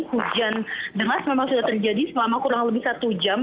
hujan deras memang sudah terjadi selama kurang lebih satu jam